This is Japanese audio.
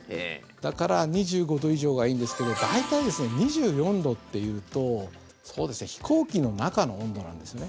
だから２５度以上がいいんですけど大体、２４度というと飛行機の中の温度なんですよね。